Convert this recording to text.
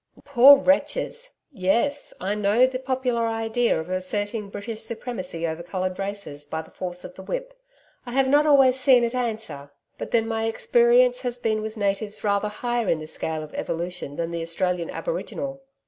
'Poor wretches! Yes! I know the popular idea of asserting British supremacy over coloured races, by the force of the whip. I have not always seen it answer; but then my experience has been with natives rather higher in the scale of evolution than the Australian aboriginal.'